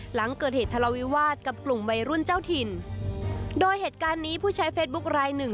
หลังเกิดเหตุทะเลาวิวาสกับกลุ่มวัยรุ่นเจ้าถิ่นโดยเหตุการณ์นี้ผู้ใช้เฟซบุ๊คลายหนึ่ง